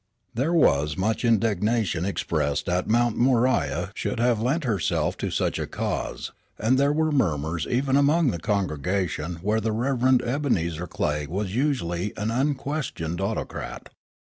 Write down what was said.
There was much indignation expressed that Mount Moriah should have lent herself to such a cause, and there were murmurs even among the congregation where the Rev. Ebenezer Clay was usually an unquestioned autocrat.